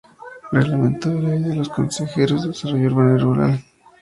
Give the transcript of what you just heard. Reglamento de la Ley de los Consejos de Desarrollo Urbano y Rural.